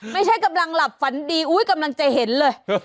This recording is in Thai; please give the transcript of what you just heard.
ไม่ใช่กำลังลับฝันดีอุ๊ยเกือบร้างเจอเห็นเลย